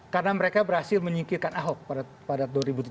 karena mereka berhasil menyingkirkan ahok pada dua ribu tujuh belas